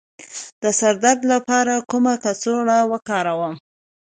د سر د درد لپاره کومه کڅوړه وکاروم؟